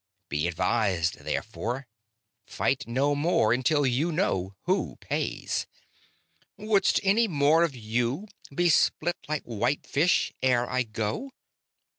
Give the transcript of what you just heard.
Be advised, therefore; fight no more until you know who pays. Wouldst any more of you be split like white fish ere I go?